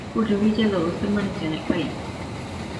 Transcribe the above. Julio Villalobos permaneció en el país.